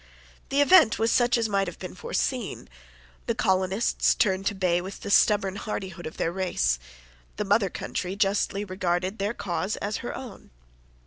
The event was such as might have been foreseen. The colonists turned to bay with the stubborn hardihood of their race. The mother country justly regarded their cause as her own.